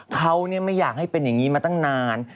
เขาไม่อยากให้เป็นอย่างนี้มาตั้งนาน